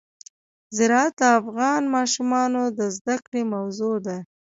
زراعت د افغان ماشومانو د زده کړې موضوع ده.